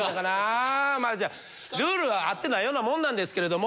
まあルールはあってないようなものなんですけれども。